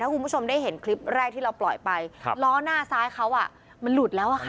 คุณผู้ชมได้เห็นคลิปแรกที่เราปล่อยไปล้อหน้าซ้ายเขาอ่ะมันหลุดแล้วอะค่ะ